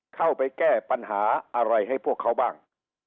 เข้าไปแก้ปัญหาอะไรให้พวกเขาบ้าง